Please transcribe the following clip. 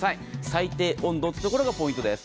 最低温度というところがポイントです。